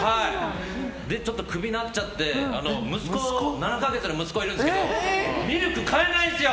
ちょっとクビになっちゃって７か月の息子がいるんですけどミルク買えないんですよ。